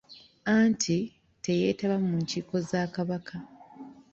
Anti teyeetaba mu nkiiko za Kabaka.